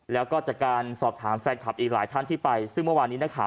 แล้วก็จากการสอบถามแฟนคลับอีกหลายท่านที่ไปซึ่งเมื่อวานนี้นักข่าว